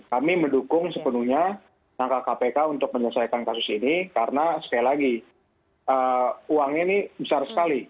kami mendukung sepenuhnya langkah kpk untuk menyelesaikan kasus ini karena sekali lagi uangnya ini besar sekali